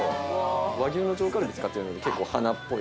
◆和牛の上カルビを使っているので、結構花っぽい。